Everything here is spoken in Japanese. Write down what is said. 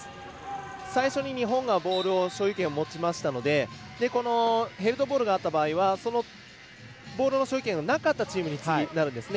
最初に日本がボールの所有権を持ちましたのでこのヘルドボールがあった場合はそのボールの所有権がなかったチームになるんですね。